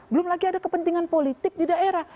belum lagi ada kepentingan politik di daerah